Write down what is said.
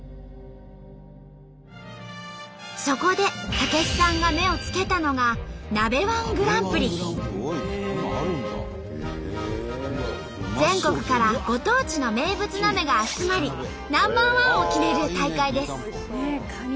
そこで武子さんが目をつけたのが全国からご当地の名物鍋が集まりナンバーワンを決める大会です。